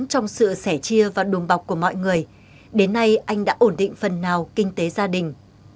trong sự sẻ chia và đùm bọc của mọi người đến nay anh đã ổn định phần nào kinh tế gia đình